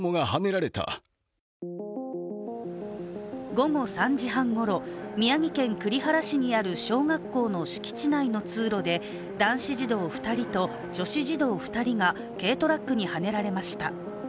午後３時半ごろ、宮城県栗原市にある小学校の敷地内の通路で男子児童２人と女子児童２人が軽トラックにはねられました。